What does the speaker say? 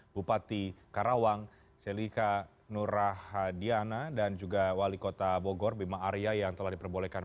bupati karawang selika nurahadiana dan juga wali kota bogor bima arya yang telah diperbolehkan